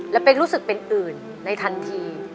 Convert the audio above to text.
และเป๊กรู้สึกเป็นอื่นในทันที